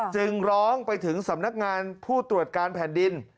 จึงร้องไปถึงสำนักงานผู้ตรวจการแผ่นดิน